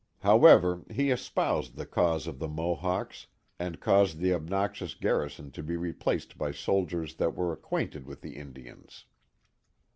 However, he espoused the cause of the Mohawks, and caused the obnoxious garrison to be replaced by soldiers that were acquainted with the Indians.